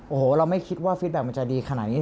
โอ้โฮเราไม่คิดว่าความสนุนมันจะดีขนาดนี้